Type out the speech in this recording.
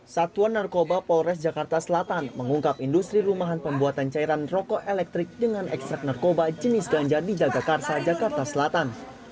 satuan narkoba polres jakarta selatan mengungkap industri rumahan pembuatan cairan rokok elektrik dengan ekstrak narkoba jenis ganja di jagakarsa jakarta selatan